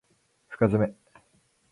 深爪